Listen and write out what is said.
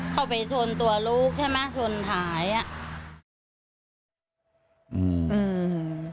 เข้าไปชนตัวลูกใช่ไหมชนหายอ่ะอืมอืม